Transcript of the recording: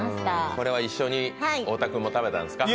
これは一緒に太田君も食べたんですか？